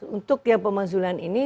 untuk pemaksulan ini seperti tadi